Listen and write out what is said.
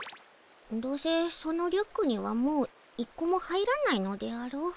どうせそのリュックにはもう１個も入らないのであろ？